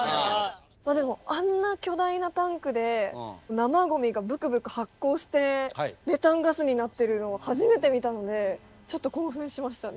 でもあんな巨大なタンクで生ゴミがブクブク発酵してメタンガスになってるのを初めて見たのでちょっと興奮しましたね。